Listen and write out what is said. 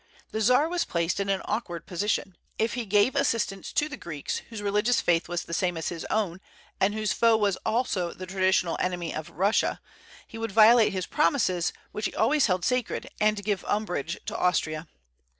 The Czar was placed in an awkward position. If he gave assistance to the Greeks, whose religious faith was the same as his own and whose foe was also the traditionary enemy of Russia, he would violate his promises, which he always held sacred, and give umbrage to Austria.